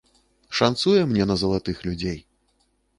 Шанцуе мне на залатых людзей.